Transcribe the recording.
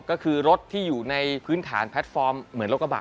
ก็คือรถที่อยู่ในพื้นฐานแพลตฟอร์มเหมือนรถกระบะ